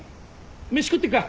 飯食ってくか？